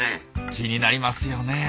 気になりますよね。